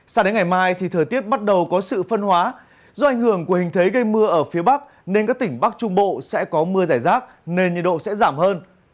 sao đến ngày mai thì thời tiết bắt đầu có sự phân hóa do ảnh hưởng của hình thế gây mưa ở phía bắc nên các tỉnh bắc trung bộ sẽ có mưa giải rác nên nhiệt độ sẽ giảm hơn